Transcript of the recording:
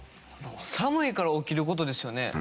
寒いから起きる事ですよね？